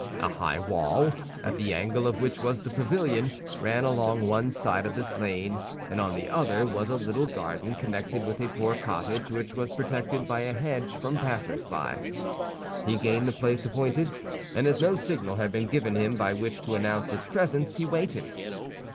A high wall, at the angle of which was the pavilion, ran along one side of this lane, and on the other was a little garden connected with a poor cottage which was protected by a hedge from passers by. He gained the place appointed, and as no signal had been given him by which to announce his presence, he waited.